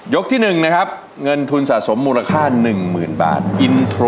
ยกที่หนึ่งนะครับเงินทุนสะสมมูลค่าหนึ่งหมื่นบาท